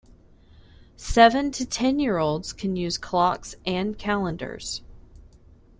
Seven- to ten-year-olds can use clocks and calendars.